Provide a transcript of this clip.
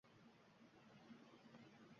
ildizi suvsagan gʼarib daraxtday.